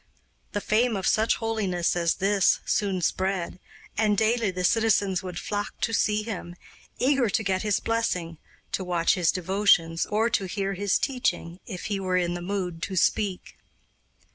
The fame of such holiness as this soon spread, and daily the citizens would flock to see him, eager to get his blessing, to watch his devotions, or to hear his teaching, if he were in the mood to speak.